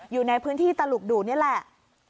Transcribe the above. อยู่ในพื้นที่ตลุกดูนี่แหละ